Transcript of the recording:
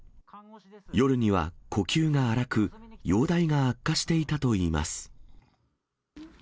夜には呼吸が荒く、容体が悪化していたといいます。